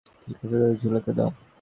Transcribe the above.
ঠিক আছে, তাদের ঝুলাতে দাও।